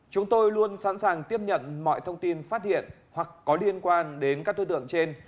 chúng tôi luôn sẵn sàng tiếp nhận mọi thông tin phát hiện hoặc có liên quan đến các đối tượng trên